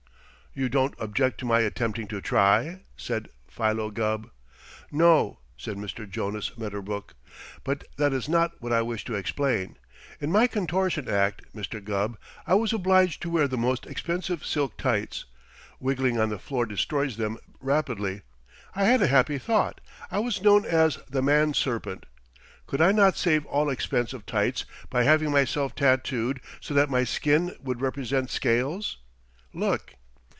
"You don't object to my attempting to try?" said Philo Gubb. "No," said Mr. Jonas Medderbrook, "but that is not what I wish to explain. In my contortion act, Mr. Gubb, I was obliged to wear the most expensive silk tights. Wiggling on the floor destroys them rapidly. I had a happy thought. I was known as the Man Serpent. Could I not save all expense of tights by having myself tattooed so that my skin would represent scales? Look."